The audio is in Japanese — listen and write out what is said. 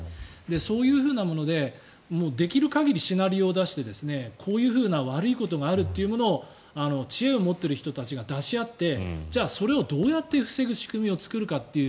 そういうふうなものでできる限りシナリオを出してこういうふうな悪いことがあるということを知恵を持っている人が出し合ってじゃあ、それをどうやって防ぐ仕組みを作るかという。